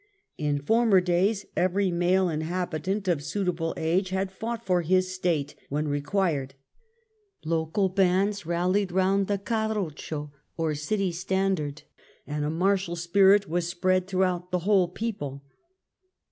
In former days every male inhabitant of suitable age had fought for his State when required ; local bands rallied round the carroccio or city standard, and a martial spirit was spread throughout the whole people.